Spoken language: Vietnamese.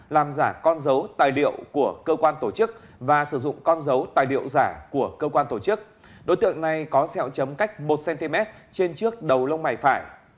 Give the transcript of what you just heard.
làm giả con dấu tài liệu của cơ quan tổ chức và sử dụng con dấu tài liệu giả của cơ quan tổ chức đối tượng này có xeo chấm cách một cm trên trước đầu lông mày phải